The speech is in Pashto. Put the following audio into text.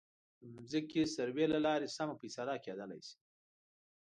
د ځمکې سروې له لارې سمه فیصله کېدلی شي.